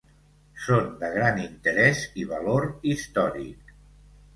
Són de gran interès i valor històric.